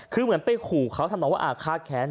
คือเหมือนไปขู่เขาทำน้องว่าอาฆาตแค้น